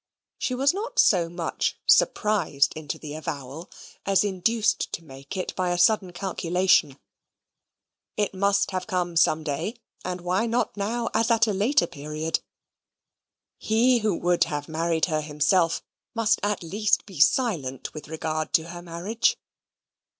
She was not so much surprised into the avowal, as induced to make it by a sudden calculation. It must have come some day: and why not now as at a later period? He who would have married her himself must at least be silent with regard to her marriage.